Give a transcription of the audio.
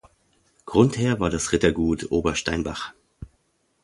Grundherr war das Rittergut Obersteinbach.